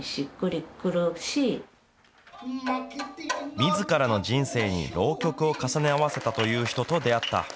みずからの人生に浪曲を重ね合わせたという人と出会った。